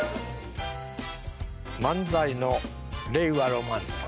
漫才の令和ロマンさん。